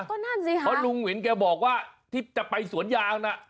ก็นั่นสิค่ะเพราะลุงวินแกบอกว่าที่จะไปสวนยางน่ะ